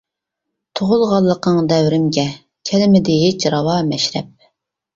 تۇغۇلغانلىقىڭ دەۋرىمگە، كەلمىدى ھېچ راۋا مەشرەپ.